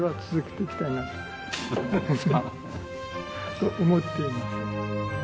そう思っています。